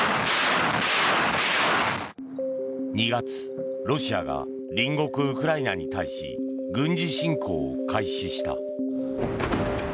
２月、ロシアが隣国ウクライナに対し軍事侵攻を開始した。